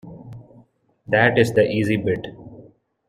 That is the easy bit.